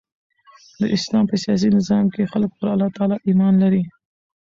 د اسلام په سیاسي نظام کښي خلک پر الله تعالي ایمان لري.